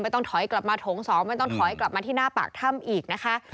ต้องถอยกลับมาโถง๒ไม่ต้องถอยกลับมาที่หน้าปากถ้ำอีกนะคะ